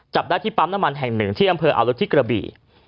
จับได้ที่ปั๊มน้ำมันแห่งหนึ่งที่อำเภออาวุธที่กระบี่